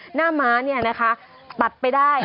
หน้าม้าเนี่ยนะคะตัดไปได้